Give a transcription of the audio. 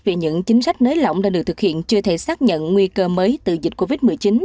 về những chính sách nới lỏng đã được thực hiện chưa thể xác nhận nguy cơ mới từ dịch covid một mươi chín